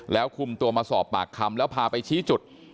แล้วคุมตัวมาสอบปากคำแล้วพาไปชี้จุด